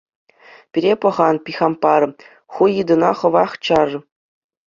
Пире пӑхан Пихампар, ху йыттуна хӑвах чар.